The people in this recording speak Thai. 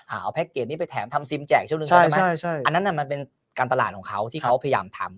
เอาแพ็คเกจนี้ไปแถมทำซิมแจกช่วงหนึ่งใช่ไหมอันนั้นมันเป็นการตลาดของเขาที่เขาพยายามทำ